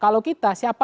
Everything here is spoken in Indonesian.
kalau kita siapa